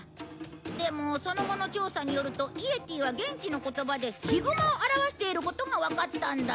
でもその後の調査によると「イエティ」は現地の言葉でヒグマを表していることがわかったんだ。